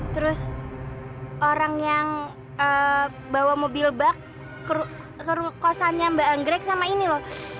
terus orang yang bawa mobil bak ke kosannya mbak anggrek sama ini loh